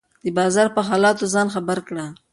د بازار په حالاتو ځان خبر کړه.